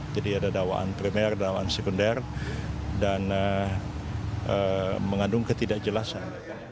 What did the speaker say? jadi ada dawaan premier dawaan sekunder dan mengandung ketidakjelasan